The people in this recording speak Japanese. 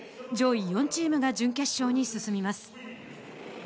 上位４チームが準決勝に進みます。